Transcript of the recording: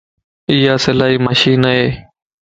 ايا سلائي مشين ائي